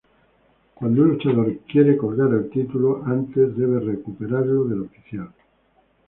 Cuando un luchador quiere colgar el título, debe antes recuperarlo del oficial.